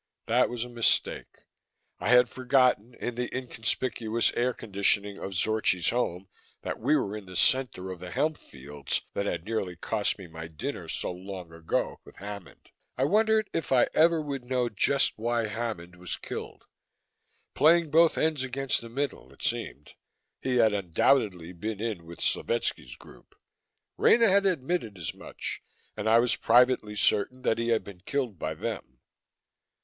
That was a mistake. I had forgotten, in the inconspicuous air conditioning of Zorchi's home, that we were in the center of the hemp fields that had nearly cost me my dinner, so long ago, with Hammond. I wondered if I ever would know just why Hammond was killed. Playing both ends against the middle, it seemed he had undoubtedly been in with Slovetski's group. Rena had admitted as much, and I was privately certain that he had been killed by them.